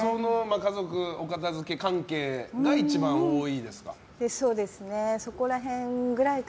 家族のお片付け関係が一番多いですか？